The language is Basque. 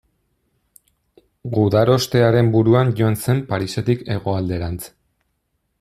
Gudarostearen buruan joan zen Parisetik hegoalderantz.